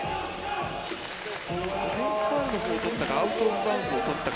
オフェンスファウルをとったかアウト・オブ・バウンズをとったか